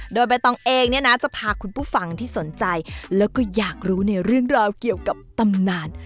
โดยใบตองเองเนี่ยนะจะพาคุณผู้ฟังที่สนใจแล้วก็อยากรู้ในเรื่องราวเกี่ยวกับตำนาน